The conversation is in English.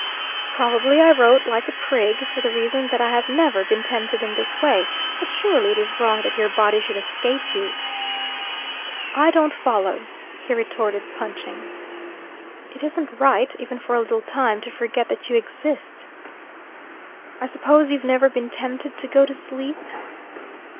"Probably I wrote like a prig, for the reason that I have never been tempted in this way; but surely it is wrong that your body should escape you." "I don't follow," he retorted, punching. "It isn't right, even for a little time, to forget that you exist." "I suppose you've never been tempted to go to sleep?"